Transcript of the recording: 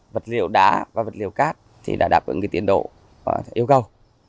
vật liệu đá và vật liệu cát thì đã đáp ứng tiến độ yêu cầu